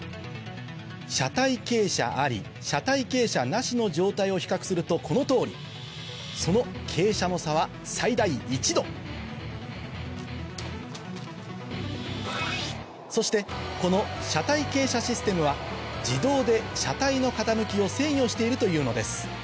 車体傾斜あり車体傾斜なしの状態を比較するとこの通りその傾斜の差は最大１度そしてこの車体傾斜システムは自動で車体の傾きを制御しているというのです